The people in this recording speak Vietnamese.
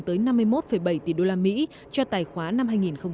tới năm mươi một bảy tỷ usd cho tài khoá năm hai nghìn một mươi bảy